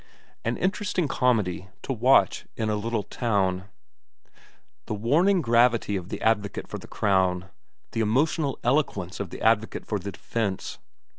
An interesting comedy to watch in a little town. The warning gravity of the advocate for the Crown, the emotional eloquence of the advocate for the defence.